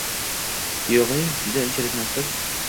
— Yo’g’ey, juda unchalikmasdir.